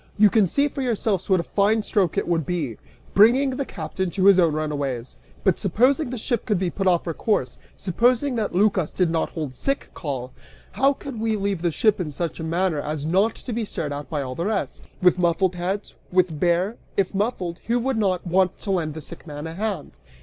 You can see for yourselves what a fine stroke it would be, bringing the captain to his own runaways! But, supposing that the ship could be put off her course, supposing that Lycas did not hold sick call, how could we leave the ship in such a manner as not to be stared at by all the rest? With muffled heads? With bare? If muffled, who would not want to lend the sick man a hand?